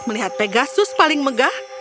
melihat pegasus paling megah